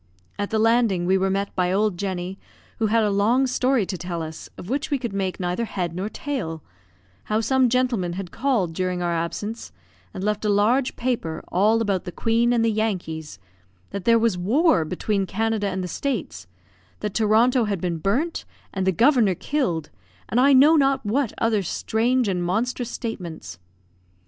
At the landing we were met by old Jenny, who had a long story to tell us, of which we could make neither head nor tail how some gentleman had called during our absence, and left a large paper, all about the Queen and the Yankees; that there was war between Canada and the States; that Toronto had been burnt, and the governor killed, and I know not what other strange and monstrous statements.